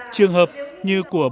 trường hợp như cuối cùng